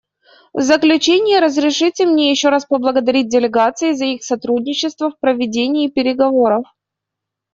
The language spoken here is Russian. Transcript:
В заключение разрешите мне еще раз поблагодарить делегации за их сотрудничество в проведении переговоров.